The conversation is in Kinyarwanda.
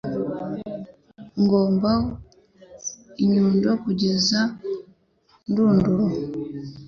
Ngomba inyundo kugeza ku ndunduro.